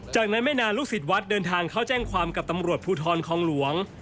จากนั้นไม่นานลูกศิษย์วัดเดินทางเข้าแจ้งความกับตำรวจภูทรคองหลวง